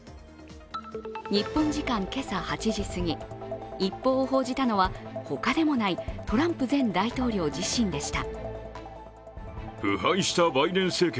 日本時間今朝８時すぎ、一方を報じたのは他でもないトランプ前大統領自身でした。